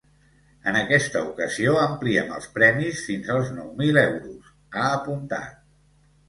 “En aquesta ocasió ampliem els premis fins als nou mil euros”, ha apuntat.